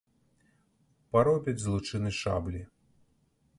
Паробяць з лучыны шаблі.